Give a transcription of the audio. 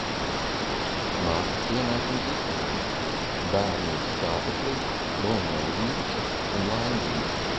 Mātes pienākums izpildīts – bērni ir skābeklī, prom no vīrusa un laimīgi.